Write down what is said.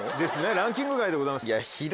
ランキング外でございます。